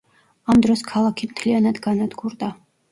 ამ დროს ქალაქი მთლიანად განადგურდა.